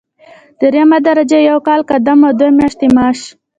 دریمه درجه یو کال قدم او دوه میاشتې معاش.